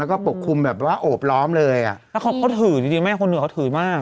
แล้วก็ปกคลุมแบบว่าโอบล้อมเลยอ่ะแล้วเขาถือจริงจริงแม่คนอื่นเขาถือมาก